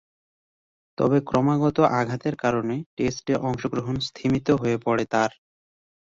তবে, ক্রমাগত আঘাতের কারণে টেস্টে অংশগ্রহণ স্তিমিত হয়ে পড়ে তার।